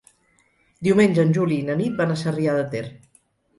Diumenge en Juli i na Nit van a Sarrià de Ter.